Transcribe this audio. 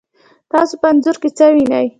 تاسو په انځور کې څه شی وینئ؟